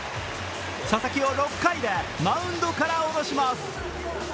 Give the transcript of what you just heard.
佐々木を６回でマウンドから降ろします。